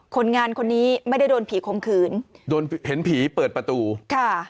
คนงานคนนี้ไม่ได้โดนผีคมขืนโดนเห็นผีเปิดประตูค่ะ